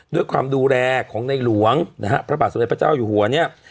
ด้วยความดูแลของในหลวงนะฮะพระบาทสมเด็จพระเจ้าอยู่หัวเนี่ย